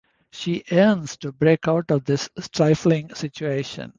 She yearns to break out of this stifling situation.